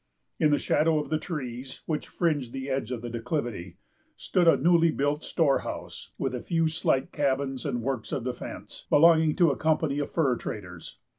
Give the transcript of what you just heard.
In the shadow of the trees, which fringed the edge of the declivity, stood a newly built storehouse, with a few slight cabins and works of defence, belonging to a company of fur traders.